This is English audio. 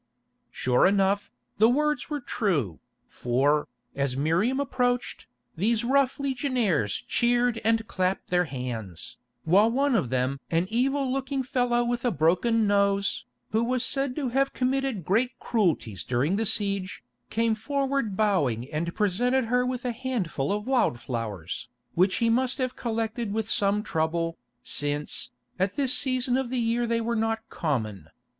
Sure enough, the words were true, for, as Miriam approached, these rough legionaries cheered and clapped their hands, while one of them, an evil looking fellow with a broken nose, who was said to have committed great cruelties during the siege, came forward bowing and presented her with a handful of wild flowers, which he must have collected with some trouble, since, at this season of the year they were not common.